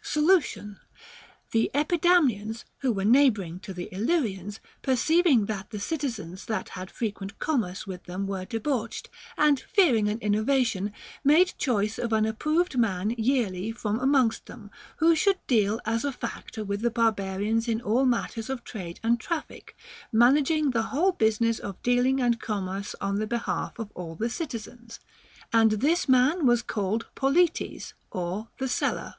Solution. The Epidamnians, who were neighboring to the Illy rians, perceiving that the citizens that had frequent commerce with them were debauched, and fearing an inno vation, made choice of an approved man yearly from amongst them, who should deal as a factor with the bar barians in all matters of trade and traffic, managing the whole business of dealing and commerce on the behalf of all the citizens ; and this man was called poletes, or the seller.